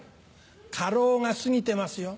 カロウが過ぎてますよ。